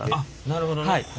なるほどね。